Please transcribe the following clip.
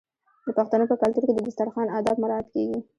د پښتنو په کلتور کې د دسترخان اداب مراعات کیږي.